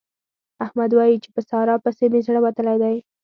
احمد وايي چې په سارا پسې مې زړه وتلی دی.